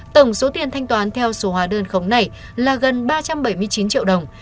tổng số tiền thanh toán theo số hóa đơn khống này là gần ba trăm bảy mươi chín triệu đồng